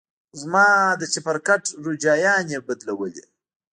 زما د چپرکټ روجايانې يې بدلولې.